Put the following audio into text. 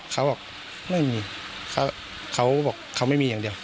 เขาบอกไม่มีเขาบอกเขาไม่มีอย่างเดียว